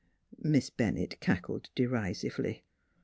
Miss Bennett cackled derisively.